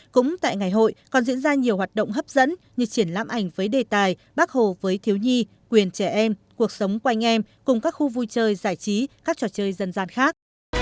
cũng tại ngày hội còn diễn ra nhiều hoạt động hấp dẫn như triển lãm ảnh với đề tài bác hồ với thiếu nhi quyền trẻ em cuộc sống quanh em cùng các khu vui chơi giải trí các trò chơi dân gian khác